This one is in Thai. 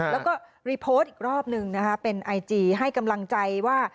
แล้วก็รีโพสต์อีกรอบนึงนะคะเป็นไอจีให้กำลังใจว่า